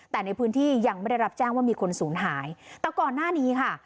แต่ในพื้นที่ยังไม่ได้รับแจ้งว่ามีคนศูนย์หายแต่ก่อนหน้านี้ค่ะ